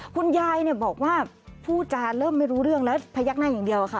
คุณยายเนี่ยบอกว่าผู้จาเริ่มไม่รู้เรื่องแล้วพยักหน้าอย่างเดียวค่ะ